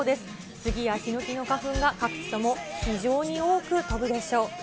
スギやヒノキの花粉が、各地とも非常に多く飛ぶでしょう。